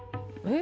え？